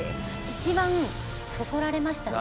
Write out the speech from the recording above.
一番そそられましたね。